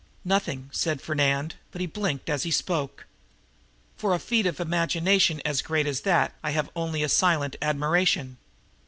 "Nothing," said Fernand, but he blinked as he spoke. "For a feat of imagination as great as that I have only a silent admiration.